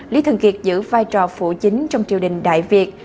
lý thần kiệt giữ vai trò phụ chính trong triều đình đại việt